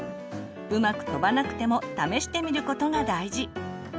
うまく飛ばなくても試してみることが大事。